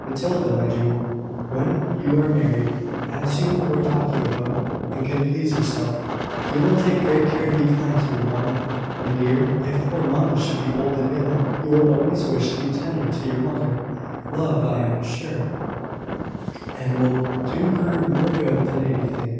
Matilda, my jewel, when you are married, as you were talking about, and can please yourself, you will take great care to be kind to your mamma, my dear, if poor mamma should be old and ill. You will always wish to be tender to your mother, love, I am sure; and that will do her more good than anything."